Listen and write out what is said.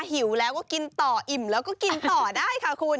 หิวแล้วก็กินต่ออิ่มแล้วก็กินต่อได้ค่ะคุณ